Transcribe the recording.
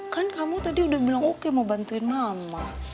kan kamu tadi udah bilang oke mau bantuin mama